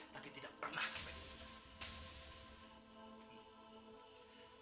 tapi tidak pernah sampai di rumah